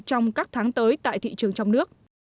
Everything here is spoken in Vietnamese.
trong các tháng tới tại thị trường trong nước